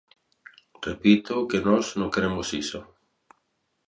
Repito que nós non queremos iso.